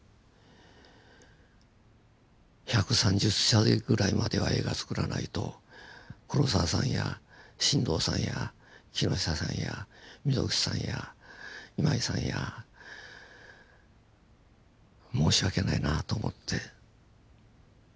１３０歳ぐらいまでは映画つくらないと黒澤さんや新藤さんや木下さんや溝口さんや今井さんや申し訳ないなと思って。